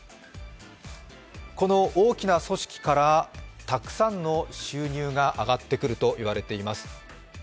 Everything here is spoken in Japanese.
この大きな組織からたくさんの収入が上がってくるといわれます。